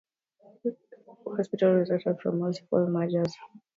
The Jeroen Bosch Hospital resulted from multiple mergers.